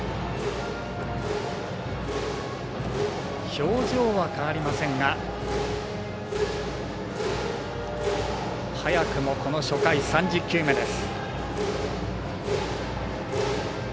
表情は変わりませんが早くもこの初回３０球目です。